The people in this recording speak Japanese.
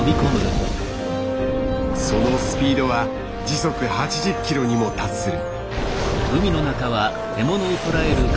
そのスピードは時速８０キロにも達する。